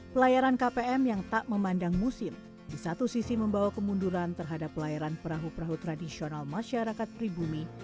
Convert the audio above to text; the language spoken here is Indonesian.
pelayaran kpm yang tak memandang musim di satu sisi membawa kemunduran terhadap pelayaran perahu perahu tradisional masyarakat pribumi